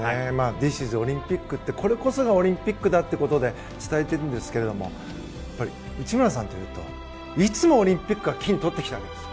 ディス・イズ・オリンピックということでこれこそがオリンピックだということで伝えているんですが内村さんというといつもオリンピックは金を取ってきたわけです。